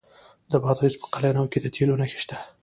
د بادغیس په قلعه نو کې د تیلو نښې شته.